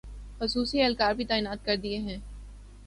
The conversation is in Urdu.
خصوصی اہلکار بھی تعینات کردیئے ہیں